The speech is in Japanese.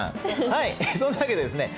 はいそんなわけでですね